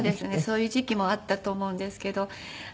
そういう時期もあったと思うんですけど。